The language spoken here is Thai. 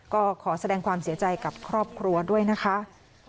ก็ขอแสดงความเสียใจกับครอบครัวด้วยนะคะ